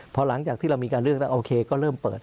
พอหลังจากที่เรามีการเลือกแล้วโอเคก็เริ่มเปิด